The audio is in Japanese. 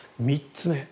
３つ目